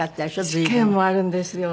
試験もあるんですよ。